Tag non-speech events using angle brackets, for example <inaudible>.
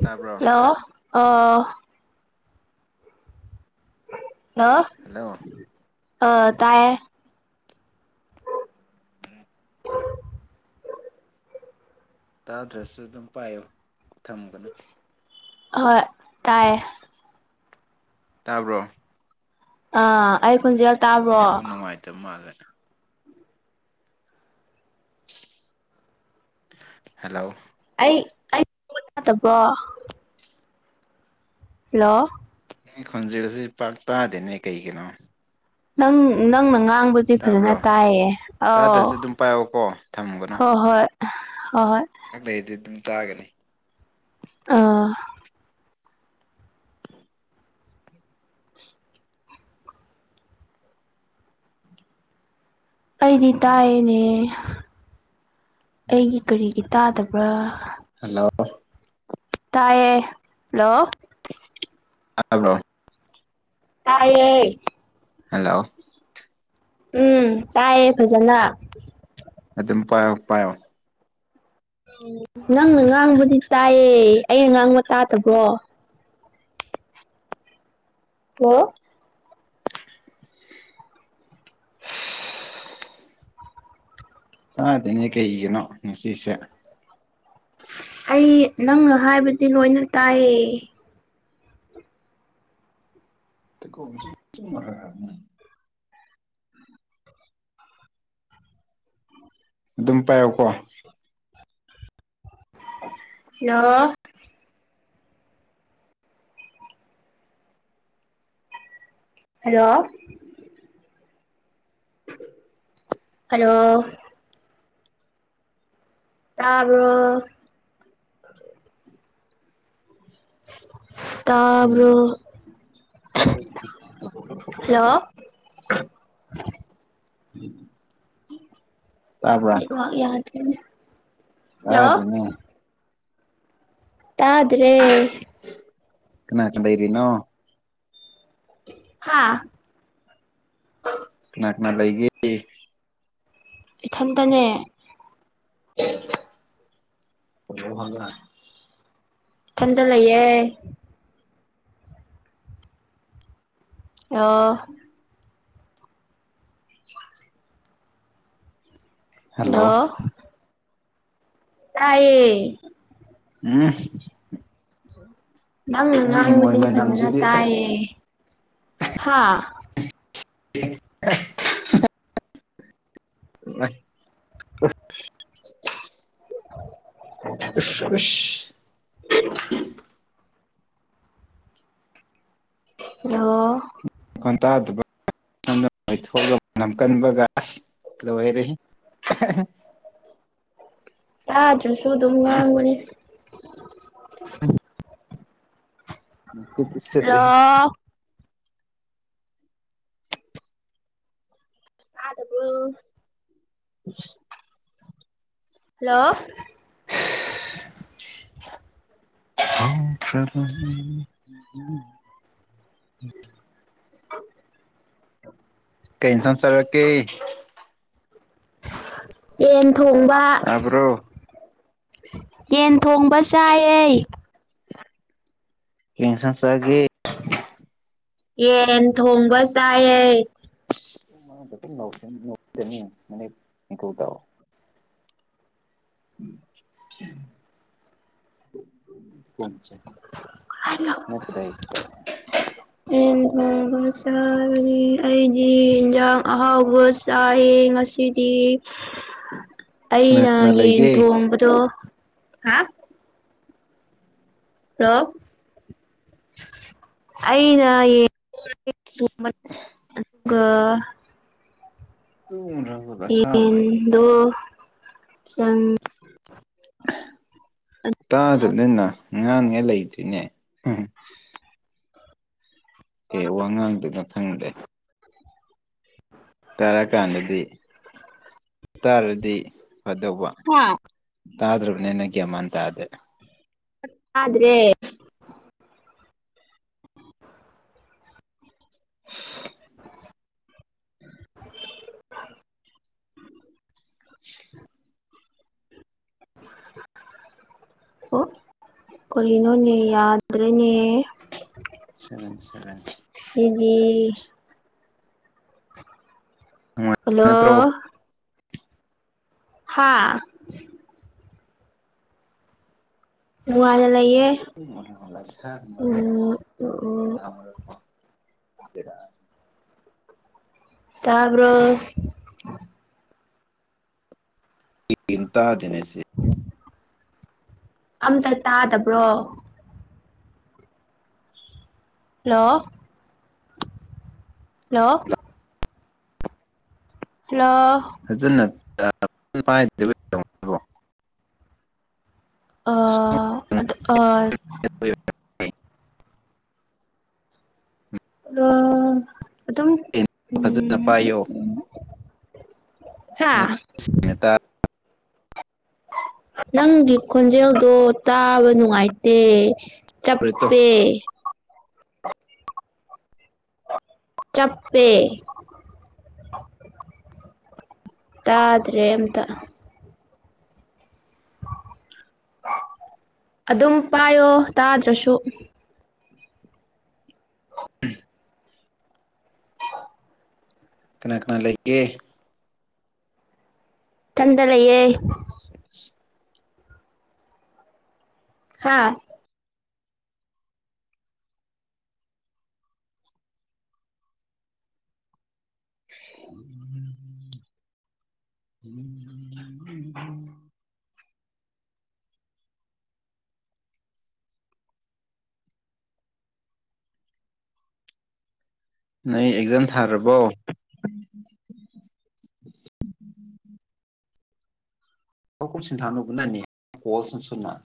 ꯇꯥꯕ꯭ꯔꯣ ꯂꯣ ꯑꯣ ꯂꯣ ꯍꯜꯂꯣ ꯑꯥ ꯇꯥꯌꯦ ꯇꯥꯗ꯭ꯔꯥꯁꯨ ꯑꯗꯨꯝ ꯄꯥꯏꯌꯣ ꯊꯝꯒꯅꯨ ꯑꯍꯣꯏ ꯇꯥꯌꯦ ꯇꯥꯕ꯭ꯔꯣ ꯑꯥ ꯑꯩ ꯈꯣꯟꯖꯦꯜ ꯇꯥꯕ꯭ꯔꯣ ꯅꯦꯠꯋꯥꯛ ꯅꯨꯡꯉꯥꯏꯇꯕ ꯃꯥꯜꯂꯦ ꯍꯦꯜꯂꯣ ꯑꯩ ꯑꯩ <unintelligible> ꯇꯗꯕ꯭ꯔꯣ ꯍꯜꯂꯣ ꯅꯪ ꯈꯣꯟꯖꯦꯜꯁꯤ ꯄꯥꯛ ꯇꯥꯗꯦꯅꯦ ꯀꯩꯒꯤꯅꯣ ꯅꯪ ꯅꯪꯅ ꯉꯥꯡꯕ ꯑꯩ ꯐꯖꯅ ꯇꯥꯕ꯭ꯔꯣ ꯇꯥꯏꯌꯦ ꯑꯥꯎ ꯇꯥꯗ꯭ꯔꯁꯨ ꯑꯗꯨꯝ ꯄꯥꯏꯌꯣꯀꯣ ꯍꯣꯏ ꯍꯣꯏ ꯍꯣꯏ ꯍꯣꯏ ꯉꯥꯏꯍꯛ ꯂꯩꯔꯗꯤ ꯑꯗꯨꯝ ꯇꯥꯒꯅꯤ ꯑꯥ ꯑꯩꯗꯤ ꯇꯥꯏꯅꯦ ꯑꯩꯒꯤ ꯀꯔꯤꯒꯤ ꯇꯥꯗꯕ꯭ꯔꯥ ꯍꯜꯂꯣ ꯇꯥꯏꯌꯦ ꯍꯜꯂꯣ ꯑꯥꯕ꯭ꯔꯣ ꯇꯥꯌꯦ ꯍꯦꯜꯂꯣ ꯎꯝ ꯇꯥꯏꯌꯦ ꯐꯖꯅ ꯑꯗꯨꯝ ꯄꯥꯏꯌꯣ ꯄꯥꯏꯌꯣ ꯅꯪꯅ ꯉꯥꯡꯕꯗꯤ ꯇꯥꯏꯌꯦ ꯑꯩꯅ ꯉꯥꯡꯕ ꯇꯥꯗꯕ꯭ꯔꯣ ꯂꯣ ꯇꯥꯗꯦꯅꯦ ꯀꯩꯒꯤꯅꯣ ꯉꯁꯤꯁꯦ ꯑꯩ ꯅꯪꯅ ꯍꯥꯏꯕꯗꯤ ꯂꯣꯏꯅ ꯇꯥꯏꯌꯦ <unintelligible> ꯑꯗꯨꯝ ꯄꯥꯏꯌꯣꯀꯣ <inaudible> ꯍꯤꯜꯂꯣ ꯍꯜꯂꯣ ꯍꯜꯂꯣ ꯇꯥꯕ꯭ꯔꯣ ꯑꯗꯨ <inaudible> ꯎꯝ ꯇꯥꯕ꯭ꯔꯣ ꯍꯜꯂꯣ <unintelligible> <inaudible> ꯅꯦꯠꯋꯥꯛ ꯌꯥꯗꯦꯅꯦ ꯆꯥꯗꯦꯅꯦ ꯇꯥꯗ꯭ꯔꯦ ꯀꯅꯥꯒ ꯂꯩꯔꯤꯅꯣ ꯍꯥꯥ ꯀꯅꯥ ꯀꯅꯥ ꯂꯩꯒꯦ ꯏꯊꯟꯇꯅꯦ ꯍꯗ <unintelligible> ꯢꯊꯥꯟꯗ ꯂꯩꯌꯦ ꯑꯣ <inaudible> ꯍꯜꯂꯣ ꯇꯥꯢꯌꯦ ꯎꯝ ꯅꯪꯅ ꯅꯪꯒꯤ ꯃꯣꯏ ꯉꯥꯡꯕꯗꯤ ꯐꯖꯅ ꯃꯅꯝꯁꯤꯗꯤ ꯇꯥꯏꯌꯦ ꯍꯥꯥ ꯇꯤꯡ <inaudible> <inaudible> ꯉꯩ ꯎ <unintelligible> ꯎꯁ ꯎꯁ <unintelligible> ꯍꯜꯂꯣ ꯃꯈꯣꯟ ꯇꯥꯗꯕ <unintelligible> ꯁꯣꯝꯗ ꯄꯩꯊꯣꯛꯑꯒ ꯃꯅꯝ ꯀꯟꯕꯒ ꯑꯁ ꯂꯣꯏꯔꯦ ꯇꯥꯗ꯭ꯔꯁꯨ ꯑꯗꯨꯝ ꯉꯥꯡꯕꯅꯦ ꯑ <inaudible> ꯅꯨꯡꯁꯤꯠꯗꯤ ꯍꯜꯂꯣ ꯁꯤꯠꯂꯦꯍꯦ ꯇꯥꯗꯕ꯭ꯔꯣ <inaudible> ꯍꯜꯂꯣ ꯍꯧꯊꯔꯕꯅꯤ <unintelligible> ꯀꯩ ꯏꯟꯁꯥꯡ ꯆꯥꯔꯀꯦ ꯌꯦꯟ ꯊꯣꯡꯕꯥ ꯇꯥꯕ꯭ꯔꯣ ꯌꯦꯟ ꯊꯣꯡꯕ ꯆꯥꯏꯌꯦ ꯀꯩ ꯏꯟꯁꯥꯡ ꯆꯥꯥꯒꯦ ꯌꯦꯟ ꯊꯣꯡꯕ ꯆꯥꯏꯌꯦ ꯅꯧ ꯃꯤꯅꯤꯠ ꯍꯀꯨ ꯗꯥꯎ <unintelligible> ꯀꯣꯟ ꯆꯦ <unintelligible> ꯍꯂꯣ <unintelligible> ꯌꯦꯟ ꯊꯣꯡꯕ ꯆꯥꯒꯅꯤ ꯑꯩꯗꯤ ꯏꯟꯖꯥꯡ ꯑꯍꯥꯎꯕꯥ ꯆꯥꯏꯑꯦ ꯉꯁꯤꯗꯤ ꯀꯅꯥ ꯑꯩꯅ ꯀꯅꯥ ꯌꯦꯟ ꯂꯩꯒꯦ ꯊꯣꯡꯕꯗꯣ ꯍꯥ ꯍꯜꯂꯣ ꯑꯩꯅ ꯌꯦꯡ <unintelligible> ꯊꯣꯡ ꯃ <unintelligible> ꯑꯗꯨꯒ ꯇꯨꯡꯗ꯭ꯔꯕ ꯌꯦꯟꯗꯣ ꯅꯪ ꯇꯥꯗꯕꯅꯦꯅ ꯉꯥꯡꯅꯤꯉꯥꯏ ꯂꯩꯇ꯭ꯔꯤꯅꯦ ꯀꯩ ꯋꯥ ꯉꯥꯡꯗꯣꯅꯣ ꯈꯪꯗꯦ <inaudible> ꯇꯥꯔꯀꯥꯟꯗꯗꯤ ꯇꯥꯔꯗꯤ ꯐꯗꯧꯕ ꯍꯥ ꯇꯥꯗ꯭ꯔꯕꯅꯦꯅ ꯒ꯭ꯌꯥꯟꯃꯥꯟ ꯇꯥꯗꯦ ꯇꯥꯗ꯭ꯔꯦ <inaudible> <inaudible> <inaudible> <inaudible> ꯑꯣ ꯀꯔꯤꯅꯣꯅꯦ ꯌꯥꯗ꯭ꯔꯦꯅꯦ ꯁꯚꯦꯟ ꯁꯚꯦꯟ ꯁꯤꯗꯤ ꯅꯨꯡꯉꯥꯏ ꯅꯠꯇ꯭ꯔꯣ ꯍꯜꯂꯣ ꯍꯥꯥ ꯅꯨꯡꯉꯥꯏꯅ ꯂꯩꯌꯦ ꯎꯝ ꯎꯝ ꯕꯦꯔꯅꯦ ꯇꯥꯕ꯭ꯔꯣ ꯀꯩꯒꯤꯅꯣ ꯇꯥꯗꯦꯅꯦ ꯁꯦ ꯑꯝꯇ ꯇꯥꯗꯕ꯭ꯔꯣ ꯍꯜꯂꯣ ꯍꯜꯂꯣ ꯍꯥꯂꯣ ꯐꯥꯖꯅꯥ ꯇꯥ <unintelligible> ꯄꯥꯏꯗꯕꯩ ꯑꯣꯏꯔꯝꯒꯅꯤꯕꯣ ꯑ ꯑꯗꯨ ꯑ ꯍꯥꯜꯂꯣ ꯑꯗꯨꯝ ꯐꯖꯅ ꯄꯥꯏꯌꯣ ꯎꯝ ꯍꯥ ꯁꯦꯡꯅꯥ ꯇꯥ ꯅꯪꯒꯤ ꯈꯣꯟꯖꯦꯜꯗꯣ ꯇꯥꯕ ꯅꯨꯡꯉꯥꯏꯇꯦ ꯇꯥꯔꯣꯏꯗꯣ ꯆꯞꯄꯦ ꯆꯞꯄꯦ <inaudible> ꯇꯥꯗ꯭ꯔꯦ ꯑꯝꯇꯥ ꯑꯗꯨꯝ ꯄꯥꯏꯌꯣ ꯇꯥꯗ꯭ꯔꯁꯨ ꯎꯝ <inaudible> ꯀꯅꯥ ꯀꯅꯥ ꯂꯩꯒꯦ ꯏꯊꯟꯗ ꯂꯩꯌꯦ ꯁꯦꯁ ꯍꯥꯥ ꯃ <inaudible> <inaudible> ꯅꯣꯏ ꯑꯦꯛꯖꯥꯝ ꯊꯥꯔꯕꯣ ꯎꯝ <inaudible> ꯍ ꯀꯣꯁꯤꯟ ꯊꯥꯅꯅꯕꯅꯅꯤ ꯀꯣꯜꯁ ꯁꯃ <unintelligible>